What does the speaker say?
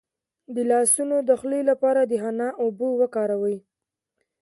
د لاسونو د خولې لپاره د حنا اوبه وکاروئ